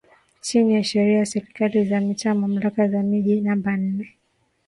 Chini ya Sheria ya Serikali za Mitaa Mamlaka za Miji namba nane